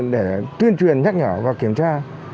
để tuyên truyền nhắc nhở và kiểm tra